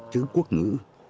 chữ quốc ngữ